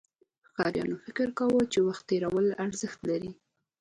ښکاریانو فکر کاوه، چې وخت تېرول ارزښت لري.